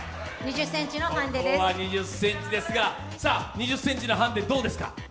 ２０ｃｍのハンデ、どうですか？